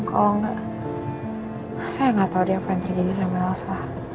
kalau nggak saya nggak tahu dia apa yang terjadi sama elsa